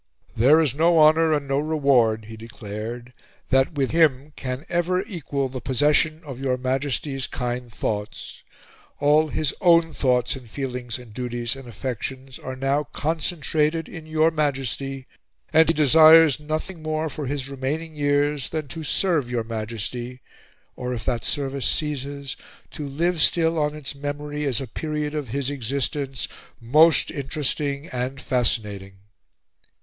"There is no honor and no reward," he declared, "that with him can ever equal the possession of your Majesty's kind thoughts. All his own thoughts and feelings and duties and affections are now concentrated in your Majesty, and he desires nothing more for his remaining years than to serve your Majesty, or, if that service ceases, to live still on its memory as a period of his existence most interesting and fascinating."